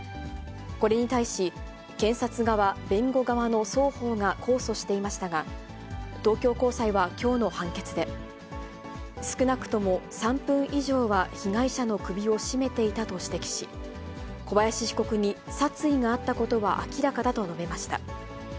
これに対し検察側、弁護側の双方が控訴していましたが、東京高裁は、きょうの判決で、少なくとも３分以上は被害者の首を絞めていたと指摘し、小林被告に殺意があったことは明らかだと述べました。